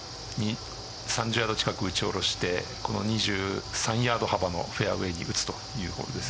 ３０ヤード近く打ち下ろして２３ヤード幅のフェアウエーに打つというホールです。